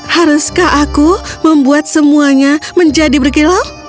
haruskah aku membuat semuanya menjadi berkilau